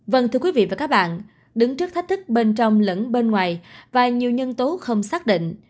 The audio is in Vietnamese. vâng thưa quý vị và các bạn đứng trước thách thức bên trong lẫn bên ngoài và nhiều nhân tố không xác định